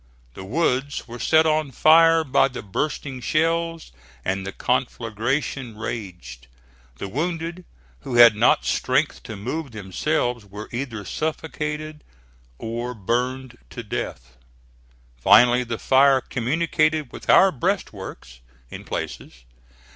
The woods were set on fire by the bursting shells, and the conflagration raged. The wounded who had not strength to move themselves were either suffocated or burned to death. Finally the fire communicated with our breastworks, in places.